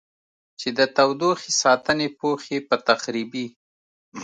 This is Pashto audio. چې د تودوخې ساتنې پوښ یې په تخریبي